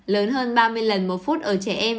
lớn hơn ba mươi lần một phút ở trẻ em